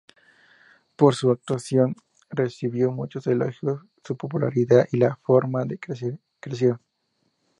Por su actuación recibió muchos elogios, su popularidad y la fama crecieron.